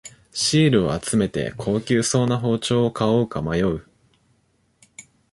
シールを集めて高級そうな包丁を買おうか迷う